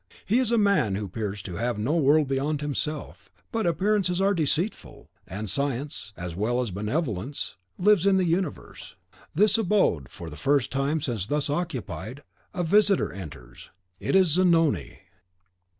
He is a man who appears to have no world beyond himself; but appearances are deceitful, and Science, as well as Benevolence, lives in the Universe. This abode, for the first time since thus occupied, a visitor enters. It is Zanoni.